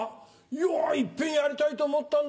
いや一遍やりたいと思ったんだ。